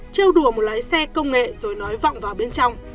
treo đùa một lái xe công nghệ rồi nói vọng vào bên trong